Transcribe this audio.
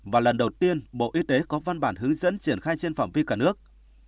và lần đầu tiên bộ y tế có văn bản hướng dẫn triển khai trên phòng viên cả nước